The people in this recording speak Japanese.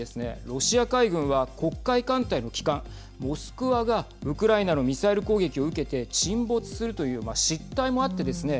ロシア海軍は黒海艦隊の旗艦、モスクワがウクライナのミサイル攻撃を受けて沈没するという失態もあってですね